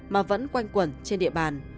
mà vẫn quanh quẩn trên địa bàn